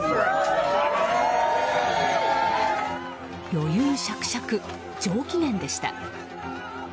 余裕綽々、上機嫌でした。